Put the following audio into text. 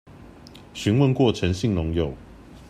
詢問過陳姓農友